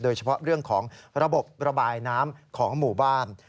โดยเฉพาะเรื่องของระบบระบายน้ำของหมู่บ้าน